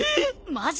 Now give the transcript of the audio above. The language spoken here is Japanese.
マジ？